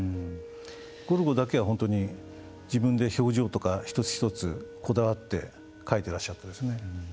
ゴルゴだけは本当に自分で表情とか一つ一つこだわってかいてらっしゃったですね。